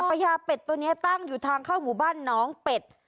พญาเป็ดตัวนี้ตั้งอยู่ทางเข้าหมู่บ้านน้องเป็ด